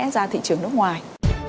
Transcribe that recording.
ra thị trường nước ngoài